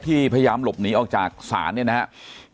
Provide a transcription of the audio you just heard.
พยายามหลบหนีออกจากศาลเนี่ยนะครับ